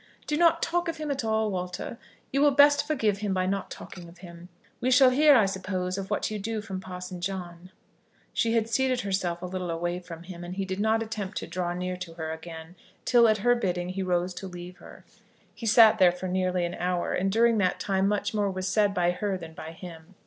"Do not talk of him at all, Walter. You will best forgive him by not talking of him. We shall hear, I suppose, of what you do from Parson John." She had seated herself a little away from him, and he did not attempt to draw near to her again till at her bidding he rose to leave her. He sat there for nearly an hour, and during that time much more was said by her than by him.